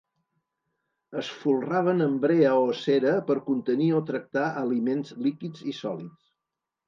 Es folraven amb brea o cera per contenir o tractar aliments líquids i sòlids.